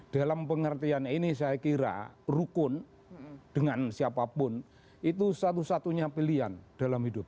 dalam pengertian ini saya kira rukun dengan siapapun itu satu satunya pilihan dalam hidup